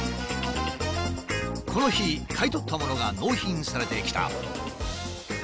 この日買い取ったものが納品されてきた。